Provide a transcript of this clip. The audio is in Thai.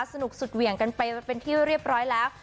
สนุกสุดเหวี่ยงกันไปเป็นที่เรียบร้อยแล้ว